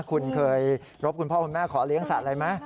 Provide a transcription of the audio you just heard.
คุณเคยรบคุณพ่อคุณแม่ขอเลี้ยงสัตว์อะไรไหม